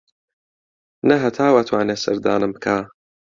نە هەتاو ئەتوانێ سەردانم بکا